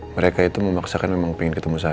mereka itu memaksakan memang ingin ketemu saya